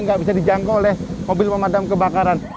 nggak bisa dijangkau oleh mobil pemadam kebakaran